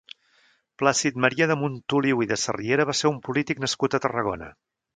Plàcid-Maria de Montoliu i de Sarriera va ser un polític nascut a Tarragona.